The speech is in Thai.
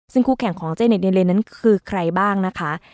ซึ่งคู่แข่งของเจเน็ตเดเลนั้นคือใครบ้างนะคะ